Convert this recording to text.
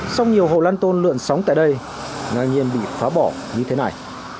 sau nhiều hộ lăn tôn lượn sóng tại đây ngang nhiên bị phá bỏ như thế này